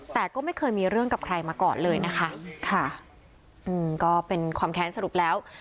แต่ก็ไม่เคยมีเรื่องกับใครมาก่อนเลยนะคะค่ะอืมก็เป็นความแค้นสรุปแล้ว